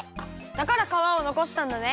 だからかわをのこしたんだね。